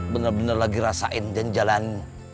bener bener lagi rasain dan jalanin